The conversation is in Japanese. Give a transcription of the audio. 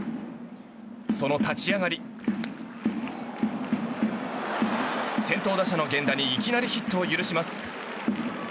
その立ち上がり先頭打者の源田にいきなりヒットを許します。